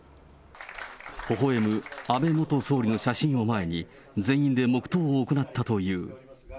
ほほえむ安倍元総理の写真を前に、全員で黙とうを行ったという。